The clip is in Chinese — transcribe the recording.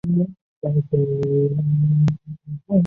而虎门一词又常指太平与虎门水道之间的区域。